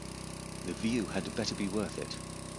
The view had better be worth it.